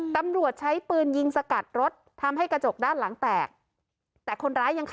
ตำรวจใช้ปืนยิงสกัดรถทำให้กระจกด้านหลังแตกแต่คนร้ายยังค่ะ